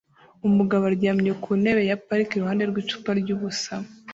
Umugabo aryamye ku ntebe ya parike iruhande rw'icupa ryubusa